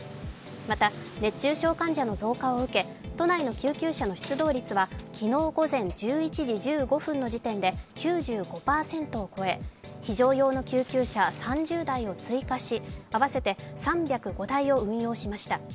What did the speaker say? また、熱中症患者の増加を受け、都内の救急車の出動率は昨日午前１１時１５分の時点で９５％を超え非常用の救急車３０台を追加し合わせて３０５台を運用しました。